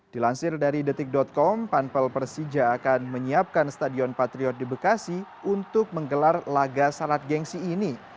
dilansir dari detik com panpel persija akan menyiapkan stadion patriot di bekasi untuk menggelar laga syarat gengsi ini